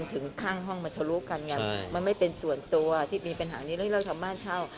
ถึงข้างห้องมันทะลุกันไงมันไม่เป็นส่วนตัวที่มีปัญหานี้เรื่องเราทำบ้านเช่า